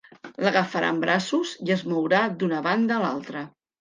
L'agafarà en braços i es mourà d'una banda a l'altra.